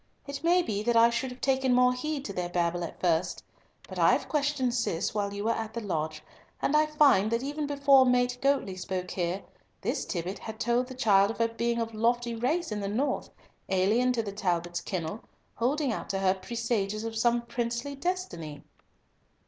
"It may be that I should have taken more heed to their babble at first; but I have questioned Cis while you were at the lodge, and I find that even before Mate Goatley spake here, this Tibbott had told the child of her being of lofty race in the north, alien to the Talbots' kennel, holding out to her presages of some princely destiny."